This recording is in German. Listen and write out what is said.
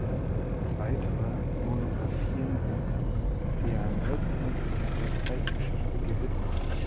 Weitere Monographien sind der Neuzeit und der Zeitgeschichte gewidmet.